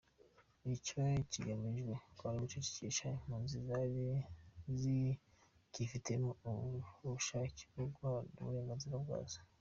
Icyari kigamijwe kwari ugucecekesha impunzi zari zicyifitemo ubushake bwo guharanira uburenganzira bwazo.